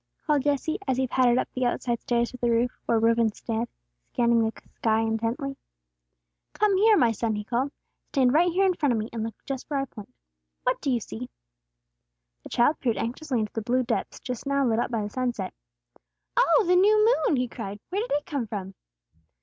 called Jesse, as he pattered up the outside stairs to the roof, where Reuben stood, scanning the sky intently. "Come here, my son," he called. "Stand right here in front of me, and look just where I point. What do you see?" The child peered anxiously into the blue depths just now lit up by the sunset. "Oh, the new moon!" he cried. "Where did it come from?"